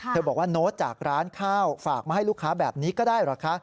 บอกว่าโน้ตจากร้านข้าวฝากมาให้ลูกค้าแบบนี้ก็ได้เหรอคะ